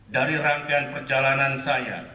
dari rangkaian perjalanan saya